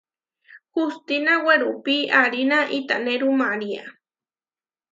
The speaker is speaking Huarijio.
Hustina werupí aarína iʼtanéru María.